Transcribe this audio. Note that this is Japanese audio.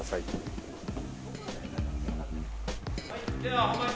はい。